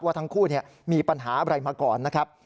ว่าทั้งคู่เนี่ยมีปัญหาไรมาก่อนนะครับ